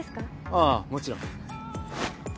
ああもちろん。